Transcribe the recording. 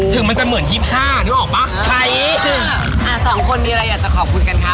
ถึงมันจะเหมือนยิบห้านึกออกปะใครอ่าสองคนนี้เลยอาจจะขอบคุณกันค่ะ